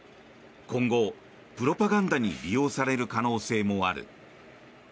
今後、プロパガンダに利用される可能性もある。